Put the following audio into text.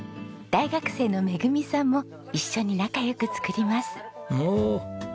大学生のめぐみさんも一緒に仲良く作ります。